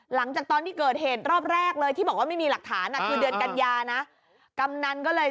หลังจากตอนที่เกิดเหตุรอบแรกเลยที่บอกว่าไม่มีหลักฐาน